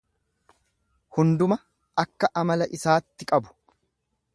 Hundumaa akka amala isaatti qabu.